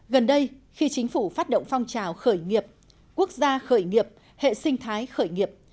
gần đây khi chính phủ phát động phong trào khởi nghiệp quốc gia khởi nghiệp hệ sinh thái khởi nghiệp